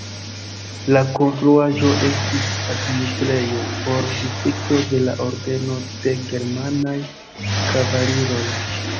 La konstruaĵo estis administrejo por distrikto de la Ordeno de germanaj kavaliroj.